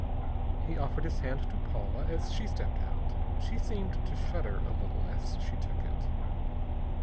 He offered his hand to Paula as she stepped out. She seemed to shudder a little as she took it.